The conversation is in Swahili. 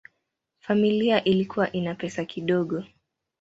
Familia ilikuwa ina pesa kidogo.